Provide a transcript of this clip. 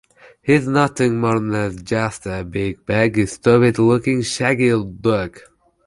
He's nothing more than just a big, baggy, stupid-looking shaggy dog!